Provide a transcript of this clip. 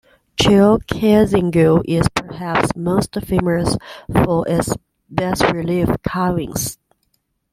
Chalcatzingo is perhaps most famous for its bas-relief carvings.